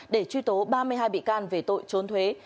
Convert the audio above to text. để truy tố ba mươi hai bị can về tội trốn thuế